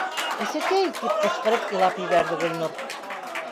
- Әсәкәй! - тип ҡысҡырып илап ебәрҙе Гөлнур.